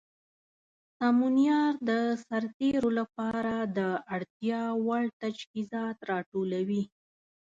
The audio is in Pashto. سمونیار د سرتیرو لپاره د اړتیا وړ تجهیزات راټولوي.